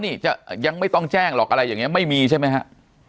นี่จะยังไม่ต้องแจ้งหรอกอะไรอย่างนี้ไม่มีใช่ไหมฮะ